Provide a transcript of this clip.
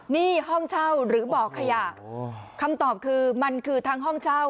นี่ห้องเช่าหรือบ่อขยะคำตอบคือมันคือทั้งห้องเช่า